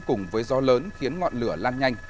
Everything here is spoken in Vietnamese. cùng với gió lớn khiến ngọn lửa lan nhanh